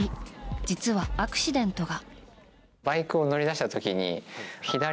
実はアクシデントが。